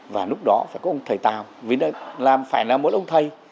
và lúc đó phải có ông thầy tàu phải là một ông thầy